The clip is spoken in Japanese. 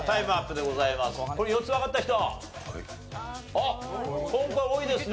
あっ今回多いですね。